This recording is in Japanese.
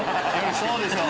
そうでしょう。